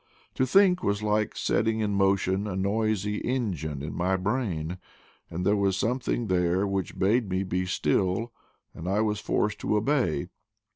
To think was like setting in motion a noisy engine in my brain; and there was some thing there which bade me be still, and I was forced to obey.